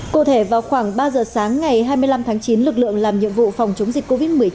cụ thể vào khoảng ba giờ sáng ngày hai mươi năm tháng chín lực lượng làm nhiệm vụ phòng chống dịch covid một mươi chín